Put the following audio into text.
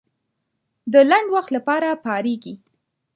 د لنډ وخت لپاره پارېږي.